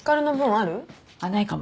あっないかも。